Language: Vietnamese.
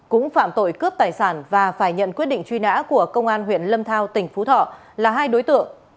cũng phạm tội cướp tài sản và phải nhận quyết định truy nã của công an huyện lâm thao tỉnh phú thọ là hai đối tượng